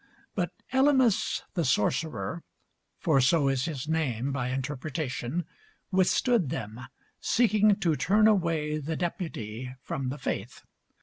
But Elymas the sorcerer (for so is his name by interpretation) withstood them, seeking to turn away the deputy from the faith.